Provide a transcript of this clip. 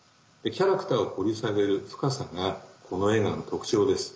キャラクターを掘り下げる深さがこの映画の特徴です。